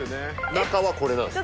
中はこれなんですね。